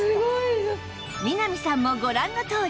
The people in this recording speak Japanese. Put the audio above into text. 南さんもご覧のとおり